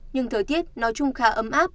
nhưng thời tiết nói chung khá ấm áp